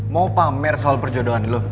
mau pamer soal perjodohan dulu